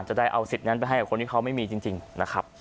จะได้เอาสิทธิ์นั้นไปให้กับคนที่เขาไม่มีจริงนะครับ